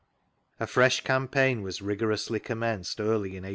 A fresh campaign was rigorously commenced early in 1819.